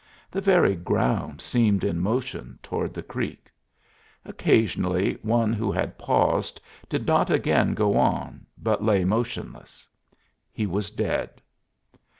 The very ground seemed in motion toward the creek. Occasionally one who had paused did not again go on, but lay motionless. He was dead.